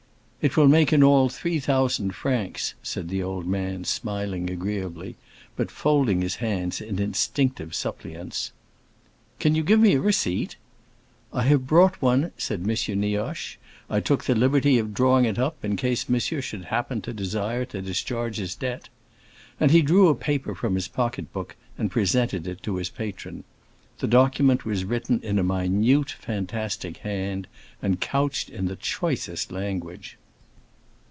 "It will make in all three thousand francs," said the old man, smiling agreeably, but folding his hands in instinctive suppliance. "Can you give me a receipt?" "I have brought one," said M. Nioche. "I took the liberty of drawing it up, in case monsieur should happen to desire to discharge his debt." And he drew a paper from his pocket book and presented it to his patron. The document was written in a minute, fantastic hand, and couched in the choicest language.